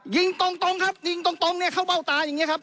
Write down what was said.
ยิงตรงตรงครับยิงตรงตรงเนี้ยเขาเบ้าตาอย่างเงี้ยครับ